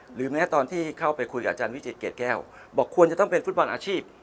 หรือแม้ตอนที่เข้าไปคุยกับอาจารย์วิจิตเกรดแก้วบอกควรจะต้องเป็นฟุตบอลอาชีพ